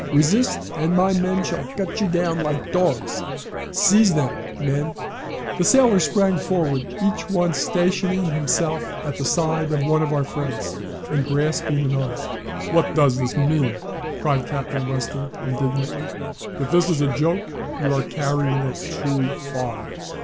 Resist and my men shall cut you down like dogs! Seize them, men!" The sailors sprang forward, each one stationing himself at the side of one of our friends, and grasping an arm. "What does this mean?" cried Captain Weston indignantly. "If this is a joke, you're carrying it too far.